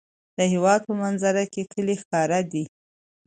د هېواد په منظره کې کلي ښکاره دي.